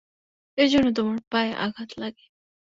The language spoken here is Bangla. এজন্য তোমার পায়ে আঘাত লাগে।